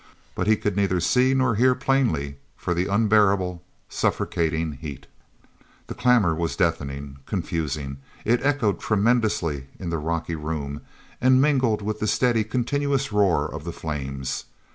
But he could neither see nor hear plainly for the unbearable, suffocating heat. The clamor was deafening, confusing; it echoed tremendously in the rocky room and mingled with the steady, continuous roar of the flames.